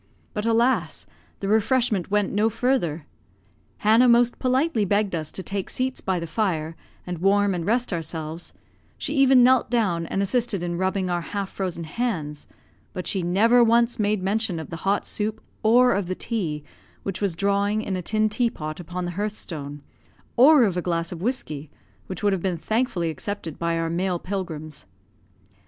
But, alas, the refreshment went no further! Hannah most politely begged us to take seats by the fire, and warm and rest ourselves; she even knelt down and assisted in rubbing our half frozen hands; but she never once made mention of the hot soup, or of the tea, which was drawing in a tin teapot upon the hearth stone, or of a glass of whiskey, which would have been thankfully accepted by our male pilgrims.